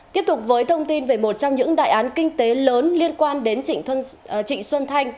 tiếp tục với thông tin về một trong những đại án kinh tế lớn liên quan đến trịnh xuân thanh